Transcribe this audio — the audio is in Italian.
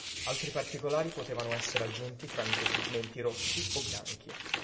Altri particolari potevano essere aggiunti tramite pigmenti rossi o bianchi.